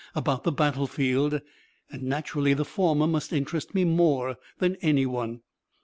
about the battlefield, and naturally the former must interest me more than anyone.